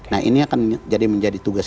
nah ini akan jadi menjadi tugas